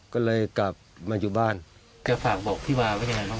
ก็เลยกลับมาอยู่บ้านก็แล้วอยู่เบนน้ำไอะ